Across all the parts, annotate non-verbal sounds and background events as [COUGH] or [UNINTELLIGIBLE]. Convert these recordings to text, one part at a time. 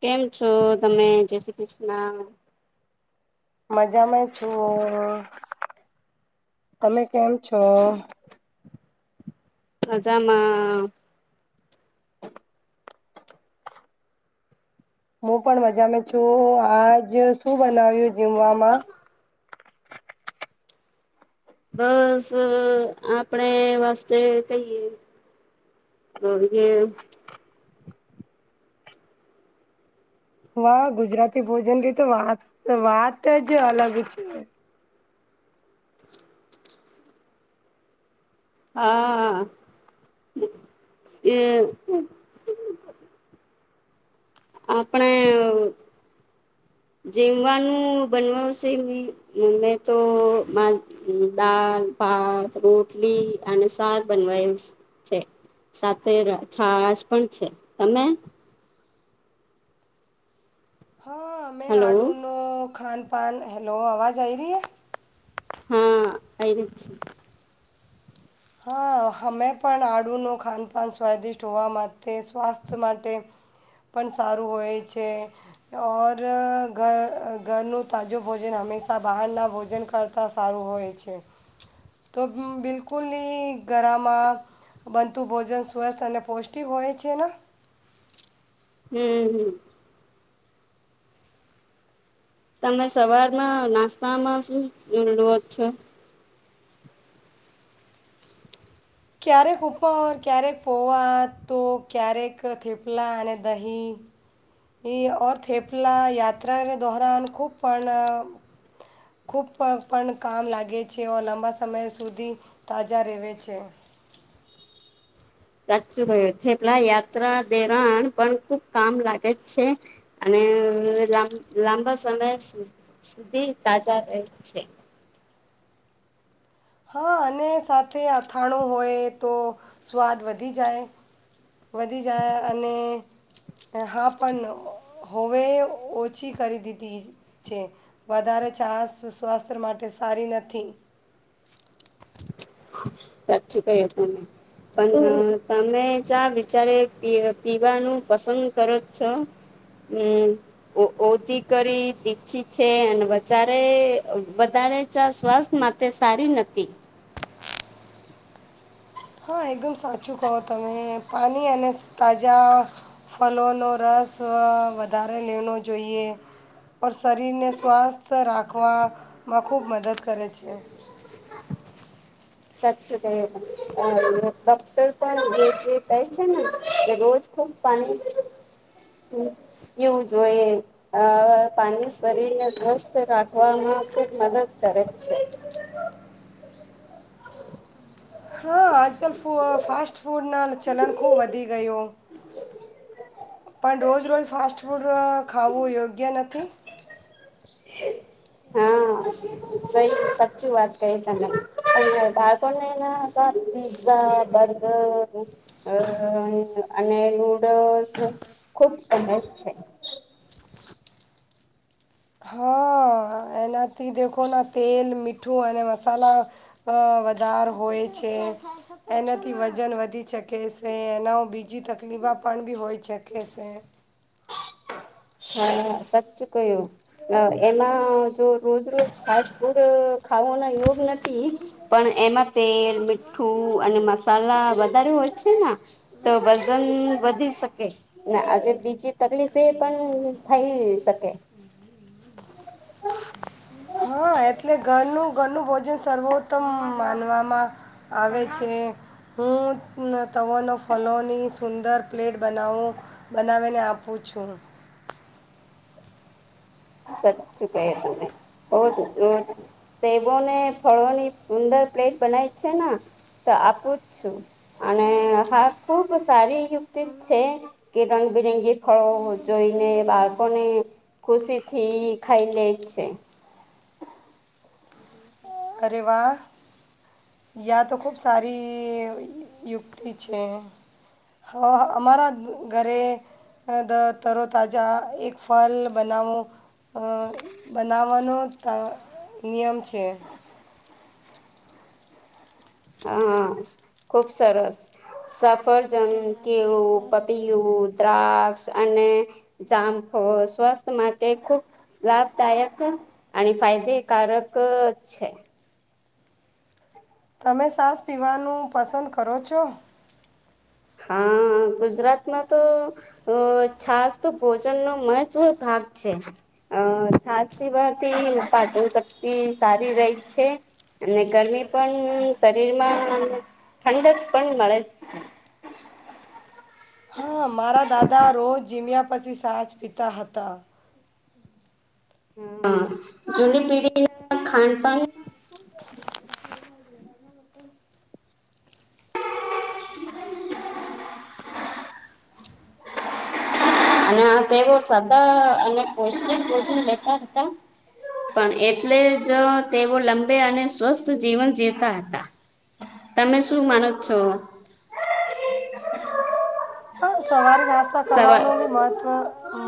કેમ છો તમે, જય શ્રી કૃષ્ણ. મજામાં છું, તમે કેમ છો? મજામાં [INAUDIBLE] હું પણ મજામાં છું, આજ શું બનાવ્યું જમવામાં? બસ અ આપડે વાસ્તે કઈએ [UNINTELLIGIBLE] વા ગુજરાતી ભોજન ની તો વાત વાત જ અલગ છે. હા [UNINTELLIGIBLE] આપણે અ જીમવાનું બનવશેવિ મે તો દાલ ભાત રોટલી અને સાક બનવાયું છે, સાથે છા પણ છે તમને અમે હલો આડુનો ખાન પાન હેલો, અવાજ આય રય હે? હા આયરિ છે. હા મે પણ આડુનું ખાનપાન સ્વાદિષ્ટ હોવા માટે, સ્વાસ્થ્ય માટે પણ સારું હોય છે, ઓર ઘર ઘરનું તાજું ભોજન હંમેશા બહારના ભોજન કરતાં સારું હોય છે, તો બિલકુલ નિ ગરામાં બનતું ભોજન સ્વસ્થ અને પૌષ્ટિક, હોય છે ને? હમ્મ હમ્મ તમે સવારમાં નાસ્તામાં શું લો છો? ક્યારેક ઉપર, ક્યારેક પોવા, તો ક્યારેક થેપલા અને દહીં ઈ ઓર થેપલા યાત્રાના ધોહરાણ ખૂબ પણ, ખૂબ પણ કામ લાગે છે, ઓર લાંબા સમય સુધી તાજા રેવે છે. સાચું કયું થેપલા યાત્રા દેરાન પણ ખુબ કામ લાગે છે, અને લાંબ લાંબા સમય સુધ સુધી તાજા રયે છે. હા, અને સાથે અથાણું હોય તો સ્વાદ વધી જાય વધી જાય અને હા પણ હોવે ઓછી કરી દીધી છે, વધારે છાસ સ્વાસ્થ્ય માટે સારી નથી. સાચુ કહું તમે, પણ તમે ચા બિચારે પીવાનું પસંદ કરો છો, અમ ઓ ઓધી કરી દીછી છે અને બચારે વધારે ચા સ્વાસ્થ માટે સારી નથી હા, એકદમ સાચું કહો તમે પાણી અને તાજા ફલનો રસ વ વધારે લેનો જોઈએ, ઓર શરીરને સ્વાસ્થ રાખવામાં ખૂબ મદદ કરે છે. સાચું કયું તમે [UNINTELLIGIBLE] ડોક્ટર પણ એ જે કય છે, ને કે રોજ ખૂબ પાણી [UNINTELLIGIBLE] પીવું જોઈએ આ પાણી શરીરને સ્વસ્થ રાખવામાં ખુબ મદદ કરે છે. હા આજકાલ ફૂ ફાસ્ટ ફૂડના ચલન ખૂબ વધી ગયું પણ રોજ રોજ ફાસ્ટ ફૂડ અ ખાવું યોગ્ય નથી? હા સય સાચું વાત કઈ તમને પણ બાળપણ નેના [UNINTELLIGIBLE] પીઝા બર્ગર અ અને એવું [UNINTELLIGIBLE] સ ખુબ ગમે જ છે. હા એનાથી દેખો ના તેલ મીઠું અને મસાલા અ વધાર હોય છે, એનાથી વજન વધી શકે છે, એના બીજી તકલીફ પણ બી હોઈ શકે છે. હા, સાચ કહ્યું અ એમાં જો રોજ રોજ ફાસ્ટ ફૂડ અ ખાવાના યોગ નથી, પણ એમાં તેલ મીઠું અને મસાલા વધારે હોય છે, ના તો વજન વધી શકે ને આજે બીજી તકલીફ તે પણ થઈ શકે. [INAUDIBLE] હા એટલે ઘરનું ઘરનું ભોજન સર્વોત્તમ માનવામાં આવે છે, હું, તવનો ફલોની સુંદર પ્લેટ બનાવું બનાવીને આપું છું. સાચું કયું તમે [UNINTELLIGIBLE] તેવોને ફળોની સુંદર પ્લેટ બનાઈ છે ના તો આપું જ છું અને હા ખુબ સારી યુક્તિ છે કે રંગબિરંગી ફળો જોઈને બાળકોને ખુશી થી ખાઈ લેય છે. અરે વાહ યા તો ખુબ સારી યુક્તિ છે, હ અમારા ઘરે દ તરોતાજા એક ફલ બનાવું અ બનાવ મનું તર નિયમ છે, હા, ખુબ સરસ સફરજન, કેળું, પપીયું, દ્રાગ અને જાંફો સ્વસ્થ માટે ખુબ લાભદાયક અને ફાયદકારક છે તમે સાસ પી પીવાનું પસંદ કરો છો? હા ગુજરાતમાં તો છાસ તો ભોજનનોો મહત્વ ભાગ છે, છાસ દીવાથી પાચન શક્તિ સારી રહી છે, અને ગરમી પણ શરીરમાં ઠંડક પણ મળે છે. હા, મારા દાદા રોજ જીમ્યા પછી સાચ પિતા હતા હા જુની પીઢી નુ ખાનપાન હ [INAUDIBLE] [UNINTELLIGIBLE] અને તેઓ સદા અને પષિક ભોજન લેતા હતા. પણ એટલે જ તેઓ લંબે અને સ્વસ્થ જીવન જીવતા હતા. તમે શું માનો છો? હા સવાર નાસ્તા સવા કરવાનું બી મહત્વ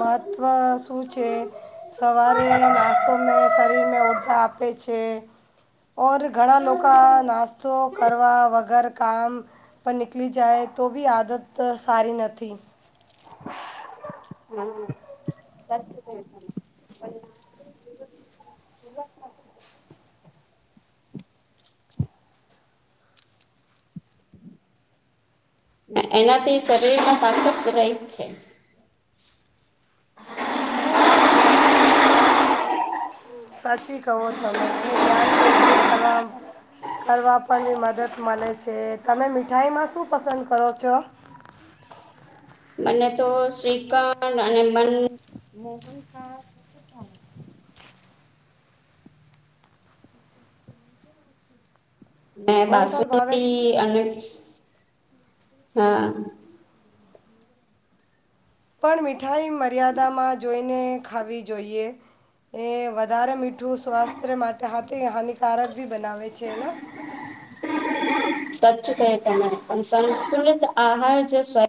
મહત્ત્વ સૂ છેે સવારે નાસ્તો મે શરીરમાં ઉડ આપે છે. ઓર ઘણા લોકા નાસ્તો કરવા વગર કામ પર નીકળી જાય તો બી આદત સારી નથી. સ્વસ્થ રહે તમે એ એનાથી શરીરમાં તાકત રહી છે. હ સાચી સાચી કહો તમે. અને ધ્યાન કેન્દ્રિત કરવા કરવા પણ બી મદદ મળે છે. તમે મીઠાઈમાં શું પસંદ કરો છો? બને તો શ્રીખંડ અને બન મોહનથાલ ને મોહનથાળ ભાવે જ બાસુંદી અને હા. પણ મીઠાઈ મર્યાદામાં જોઈને ખાવી જોઈએ. એ વધારે મીઠું સ્વાસ્થ્ય માટે હાથે હાનિકારક બી બનાવે છે. એના સ્વચ્છ કે તમે પણ સંસ્કુલિત આહાર જે સ્વય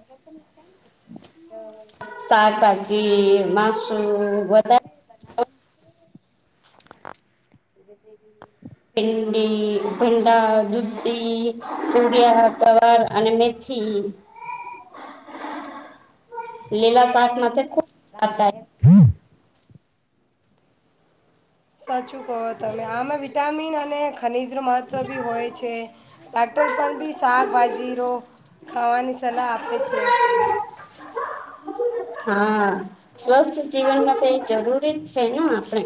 શાકભાજી, માસુ બધા [UNINTELLIGIBLE] ભિંડી, ઉભંડા, દુધી, તુરિયા, કવાર અને મેથી લીલા શાક ખૂ [UNINTELLIGIBLE] સાચું કહો તમે. આમાં વિટામિન અને ખનીજનું મહત્ત્વ બી હોય છે. ડાક્ટર પરબી શાકભાજી રો ખાવાની સલાહ આપે છે. હા સ્વસ્થ જીવનમાં તો એ જરૂરી જ છે ને આપણે.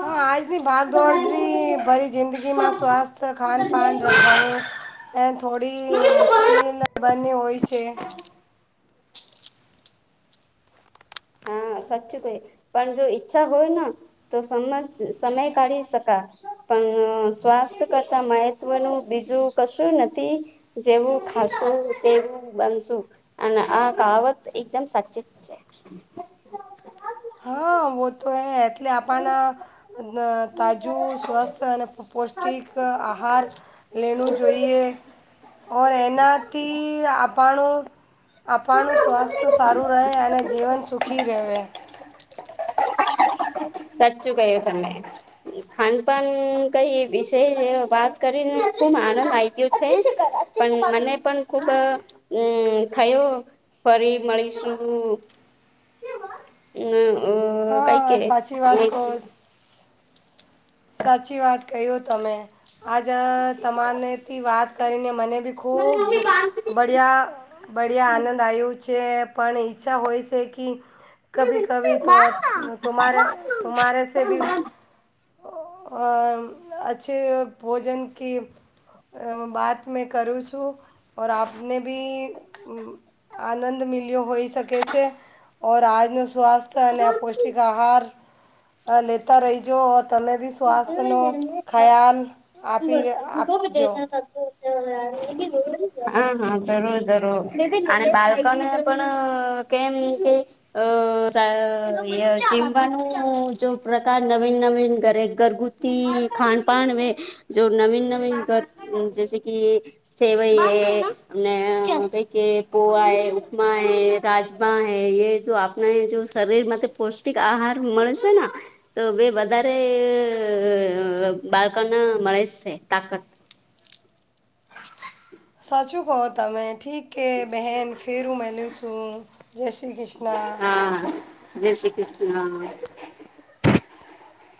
હા આજની ભાગ દોડ રી ભરી જિંદગીમાં સ્વાસ્થ્ય ખાનપાન રખાવું એ થોડી મુશ્કેલ બની હોય છે. હમ્મ સાચું કહ્યું. પણ જો ઈચ્છા હોયન તો સમજ સમય કાઢી શકા. પણ સ્વાસ્થ્ય કરતા મહત્વનું બીજું કશું નથી. જેવું ખાશું તેવું બનશું. અને આ કાવત એકદમ સાચીજ છે. હા વ તો હૈ. એટલે આપણા ન તાજું સ્વસ્થ અને પૌષ્ટિક આહાર લેનુ જોઈએ. ઓર એનાથી આપણું આપણું સ્વાસ્થ્ય સારું રહે અને જીવન સુખ ખી રેવે સાચું કય્યું તમે. ખાનપાન કઈ વિશે વાત કરીને ખુબ આનંદ આઇગ્યું છે. પણ મને પણ ખુબ મ થયો ફરી મળીશું. હમ્મ હા સાચી વાત કો સાચી વાત કહયો તમે આજા તમારનેથી વાત કરીને મને બી ખૂબ બઢિયા બળ્યા આનંદ આવ્યો જે પણ ઈચ્છા હોય છે કી કભી કભી ત તુમારે તુમારે સેબી અચ્છી ભોજન ક બાત મે કરું છું ઓર આપને બી આનંદ મલ્યો હોઈ શકે છે ઓર આજનો સ્વાસ્થ્ય અને અ પૌષ્ટિક આહાર અ લેતા રહી જો તમે બી સ્વાસ્થ્યનો ખ્યાલ આપી આપજો હા હા જરૂર જરૂર અને બાલ્કોને પણ કેમ કે અ આ ચીમવાનું જો પ્રકાર નવીન નવીન ઘ ઘરગુતી ખાણ પાણ જો નવીન નવીન ઘર જે કે સેવઈ હ અને ક કે પોહ ઉપમા હ રાજમા હ એ જો આપણે જો શરીરમાં પૌષ્ટિક આહાર મળશે ને તો બે વધારે અરે બાળકને મળે છે તાકાત [INAUDIBLE] સાચું કહો તમે ઠીક કે બહેન ફેરું મે લુંસું જય શ્રી કૃષ્ણ હા [UNINTELLIGIBLE]